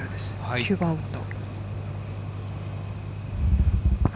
９番ウッド。